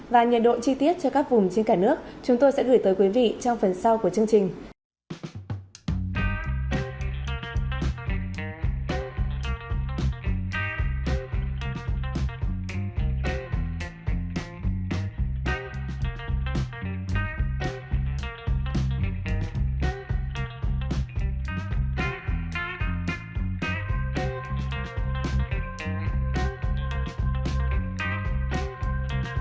và nhiệt độ chi tiết cho các vùng trên cả nước chúng tôi sẽ gửi tới quý vị trong phần sau của chương trình